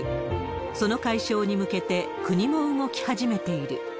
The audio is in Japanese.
その解消に向けて、国も動き始めている。